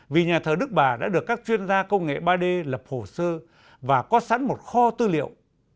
vì nhà thờ đức bà đã được các chuyên gia công nghệ ba d lập hồ sơ và có sẵn một kho tư liệu